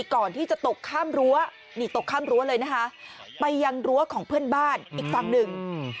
ก่อนที่จะตกข้ามรั้วนี่ตกข้ามรั้วเลยนะคะไปยังรั้วของเพื่อนบ้านอีกฝั่งหนึ่ง